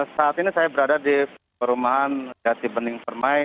saat ini saya berada di perumahan jatibening permai